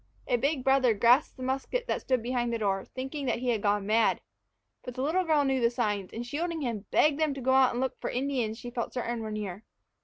A big brother grasped the musket that stood behind the door, thinking that he had gone mad. But the little girl knew the signs, and, shielding him, begged them to go out and look for the Indians she felt certain were near.